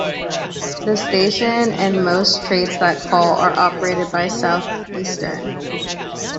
The station and most trains that call are operated by Southeastern.